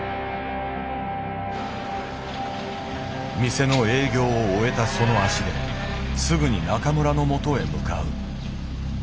店の営業を終えたその足ですぐに中村のもとへ向かう。